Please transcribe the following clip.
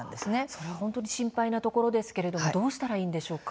それは本当に心配なところですがどうしたらいいんでしょうか。